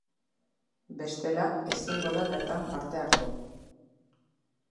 Bestela, ezingo da bertan parte hartu.